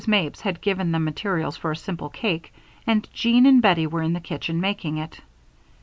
Mapes had given them materials for a simple cake and Jean and Bettie were in the kitchen making it.